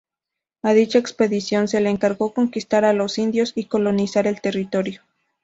A dicha expedición se le encargó conquistar a los indios y colonizar el territorio.